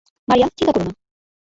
মারিয়া, চিন্তা করো না।